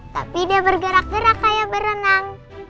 tapi dia bergerak gerak kayak berenang